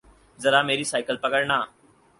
ذرامیری cycle پکڑنا